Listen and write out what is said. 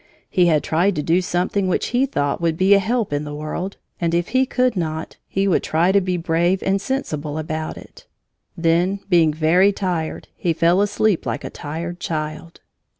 He had tried to do something which he thought would be a help in the world, and if he could not, he would try to be brave and sensible about it. Then, being very tired, he fell asleep like a tired child.